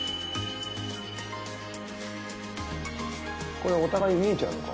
これお互いに見えちゃうのか。